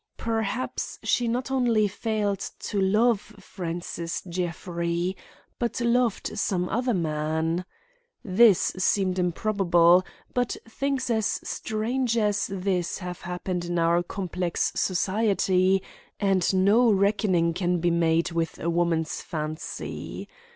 Perhaps she not only failed to love Francis Jeffrey, but loved some other man. This seemed improbable, but things as strange as this have happened in our complex society and no reckoning can be made with a woman's fancy.